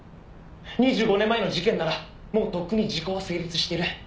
「２５年前の事件ならもうとっくに時効は成立している」